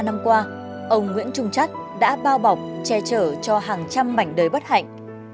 năm qua ông nguyễn trung chắt đã bao bọc che chở cho hàng trăm mảnh đời bất hạnh